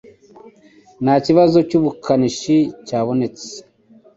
Nta kibazo cyubukanishi cyabonetse.